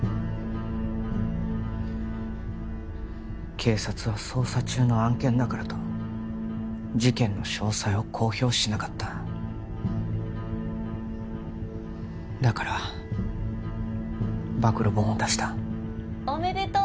警察は捜査中の案件だからと事件の詳細を公表しなかっただから暴露本を出したおめでとう！